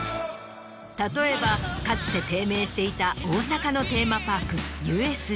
例えばかつて低迷していた大阪のテーマパークＵＳＪ。